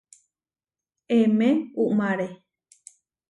Emé uʼmáre.